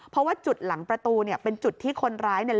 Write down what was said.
เพราะว่าจุดหลังประตูเนี่ยเป็นจุดที่คนร้ายเนี่ย